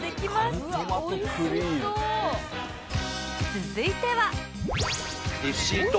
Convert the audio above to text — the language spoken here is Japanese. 続いては